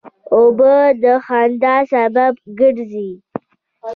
اوبه د خندا سبب ګرځي.